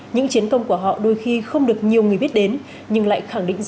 những chiến công của họ đôi khi không được nhiều người biết đến nhưng lại khẳng định